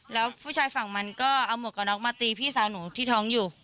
แล้วผู้ชายฝั่งมันก็เอาหมวกกระน็อกมาตีพี่สาวหนูที่ท้องอยู่